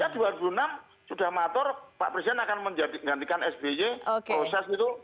saya dua ribu enam sudah matur pak presiden akan menggantikan sby proses gitu